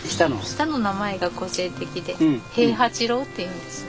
下の名前が個性的で平八郎っていうんです。